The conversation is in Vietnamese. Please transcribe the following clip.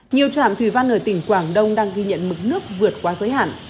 nhiều trạm thủy văn ở tỉnh quảng đông đang ghi nhận mực nước vượt qua giới hạn